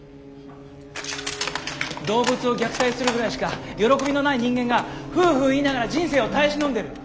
動物を虐待するぐらいしか喜びのない人間がフーフー言いながら人生を耐え忍んでる。